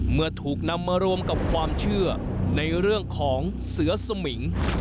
เมื่อถูกนำมารวมกับความเชื่อในเรื่องของเสือสมิง